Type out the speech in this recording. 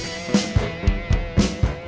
ya ini lagi serius